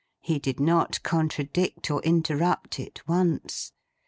He did not contradict or interrupt it, once.